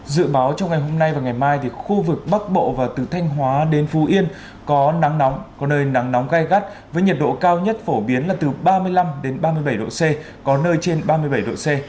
dự báo trong ngày hôm nay và ngày mai khu vực bắc bộ và từ thanh hóa đến phú yên có nắng nóng có nơi nắng nóng gai gắt với nhiệt độ cao nhất phổ biến là từ ba mươi năm ba mươi bảy độ c có nơi trên ba mươi bảy độ c